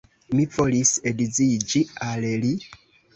Mi volis edziĝi al li.